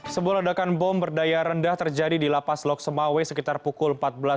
sebuah ledakan bom berdaya rendah terjadi di lapas loksemawe sekitar pukul empat belas tiga puluh